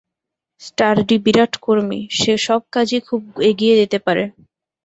Sturdy বিরাট কর্মী, সে সব কাজই খুব এগিয়ে দিতে পারে।